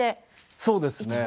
そうですね